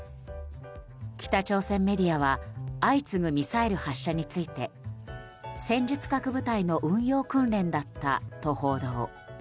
北朝鮮メディアは相次ぐミサイル発射について戦術核部隊の運用訓練だったと報道。